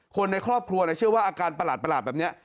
คนในครอบครัวเชื่อว่าอาการประหลาดแบบนี้